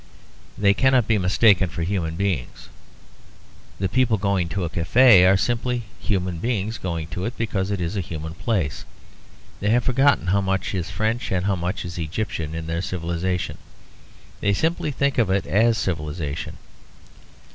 They cannot be mistaken for human beings. The people going to a cafe are simply human beings going to it because it is a human place. They have forgotten how much is French and how much Egyptian in their civilisation; they simply think of it as civilisation.